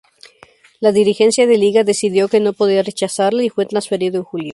La dirigencia de Liga decidió que no podía rechazarla y fue transferido en julio.